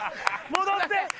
戻って！